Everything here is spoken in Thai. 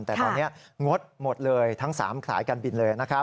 แต่ตอนนี้งดหมดเลยทั้ง๓สายการบินเลยนะครับ